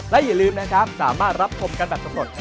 และอย่าลืมนะครับสามารถรับชมกันแบบสำรวจ